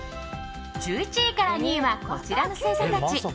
１１位から２位はこちらの星座たち。